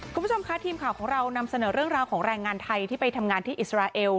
คุณผู้ชมคะทีมข่าวของเรานำเสนอเรื่องราวของแรงงานไทยที่ไปทำงานที่อิสราเอล